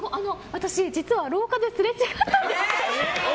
私、実は廊下ですれ違ったんですよ。